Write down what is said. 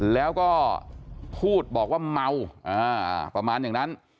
แล้วก็พูดบอกว่าเมาประมาณอย่างนั้น